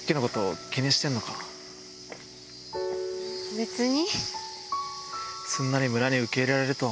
別に。